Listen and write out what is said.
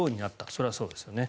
それはそうですよね。